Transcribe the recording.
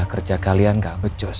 kerja kalian gak becus